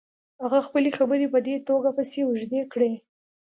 هغه خپلې خبرې په دې توګه پسې اوږدې کړې.